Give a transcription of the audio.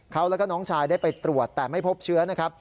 เขาแล้วก็น้องชายได้ไปตรวจแต่ไม่พบเชื้อนะครับ